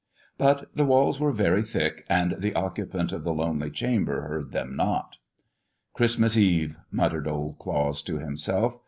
But the walls were very thick, and the occupant of the lonely chamber heard them not. "Christmas Eve," muttered Old Claus to himself.